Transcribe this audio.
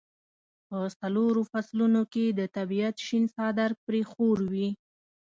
په څلورو فصلونو کې د طبیعت شین څادر پرې خور وي.